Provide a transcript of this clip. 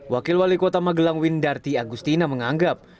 wakil wali kota magelang windarti agustina menganggap